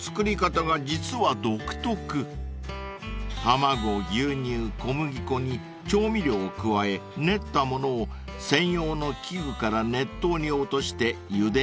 ［卵牛乳小麦粉に調味料を加え練ったものを専用の器具から熱湯に落としてゆで上げます］